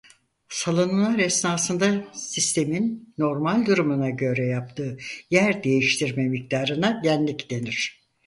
Salınımlar esnasında sistemin normal durumuna göre yaptığı yer değiştirme miktarına genlik denir.